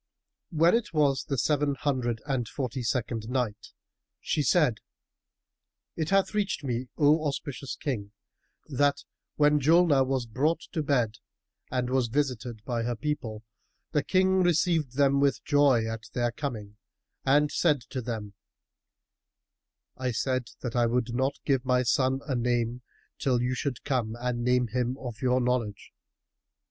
When it was the Seven Hundred and Forty second Night, She said, It hath reached me, O auspicious King, that when Julnar was brought to bed and was visited by her people, the King received them with joy at their coming and said to them, "I said that I would not give my son a name till you should come and name him of your knowledge."